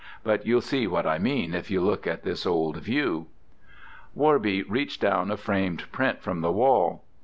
But you'll see what I mean if you look at this old view." Worby reached down a framed print from the wall.